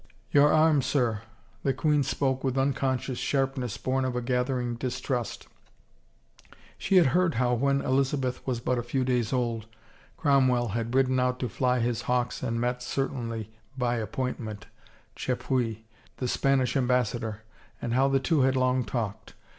" Your arm, sir." The queen spoke with unconscious sharpness born of a gathering distrust. She had heard how, when Elizabeth was but a few days old, Cromwell had ridden out to fly his hawks and met, certainly by ap pointment, Chapuis, the Spanish Ambassador and how the two had long talked.